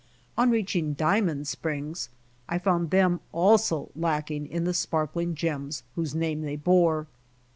On reaching Diamond springs, I found them also lacking in the sparkling gems whose name they bore.